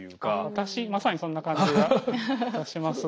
私まさにそんな感じはいたします。